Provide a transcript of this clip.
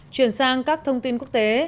chuyển sang các thông tin quốc tế